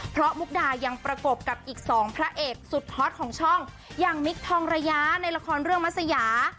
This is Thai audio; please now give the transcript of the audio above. เพราะมุกดายังประกบกับอีกสองพระเอกสุดฮอตของช่องอย่างมิคทองระยะในละครเรื่องมัศยา